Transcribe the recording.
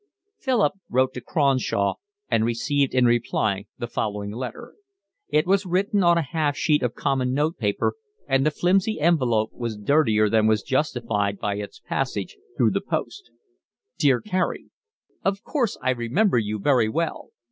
Philip wrote to Cronshaw and received in reply the following letter. It was written on a half sheet of common note paper, and the flimsy envelope was dirtier than was justified by its passage through the post. Dear Carey, Of course I remember you very well.